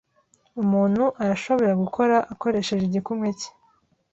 umuntu arashobora gukora akoresheje igikumwe cye.